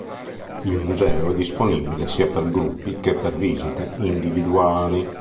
Il museo è disponibile sia per gruppi che per visite individuali.